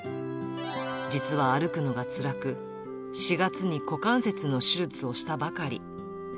実は歩くのがつらく、４月に股関節の手術をしたばかり。